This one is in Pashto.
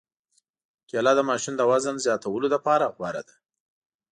کېله د ماشوم د وزن زیاتولو لپاره غوره ده.